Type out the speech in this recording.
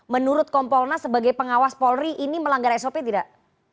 menurut kompolnas sebagai pengawas polri ini melanggar sop tidak